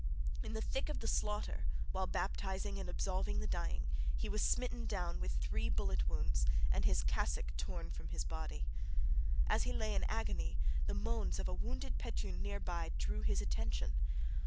In the thick of the slaughter, while baptizing and absolving the dying, he was smitten down with three bullet wounds and his cassock torn from his body. As he lay in agony the moans of a wounded Petun near by drew his attention.